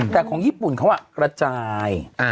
แต่ของญี่ปุ่นเขากระจาย